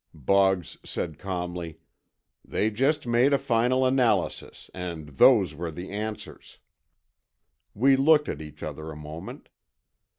Boggs said calmly, "They just made a final analysis, and those were the answers." We looked at each other a moment.